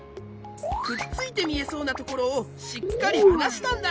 くっついてみえそうなところをしっかりはなしたんだ。